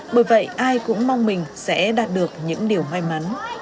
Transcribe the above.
bởi vậy ai cũng mong mình sẽ đạt được những điều may mắn